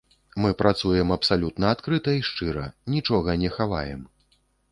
Мы працуем абсалютна адкрыта і шчыра, нічога не хаваем.